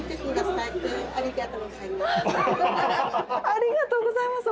ありがとうございます。